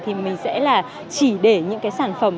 thì mình sẽ là chỉ để những cái sản phẩm